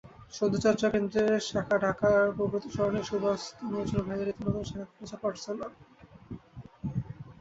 সৌন্দর্যচর্চা কেন্দ্রের শাখাঢাকার প্রগতি সরণির সুবাস্তু নজর ভ্যালিতে নতুন শাখা খুলেছে পারসোনা।